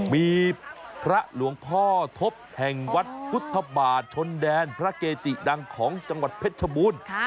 มีพระหลวงพ่อทบแห่งวัดพุทธบาทชนแดนพระเกจิดังของจังหวัดเพชรชบูรณ์